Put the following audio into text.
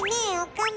岡村。